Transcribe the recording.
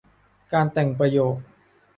การแต่งประโยค